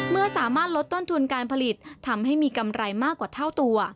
เมื่อสามารถลดต้นทุนการผลิตทำให้มีกำไรมากกว่าเท่าตัว